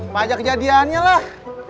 pajak kejadiannya lah